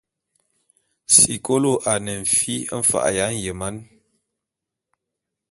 Sikolo ane fi mfa’a ya nyeman.